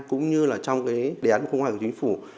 cũng như trong đề án khung hoài của chính phủ